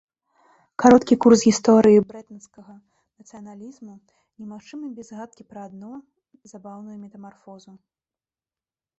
Кароткі курс гісторыі брэтонскага нацыяналізму немагчымы без згадкі пра адну забаўную метамарфозу.